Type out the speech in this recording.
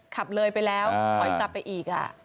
ขับเลยไปแล้วถอยกลับไปอีก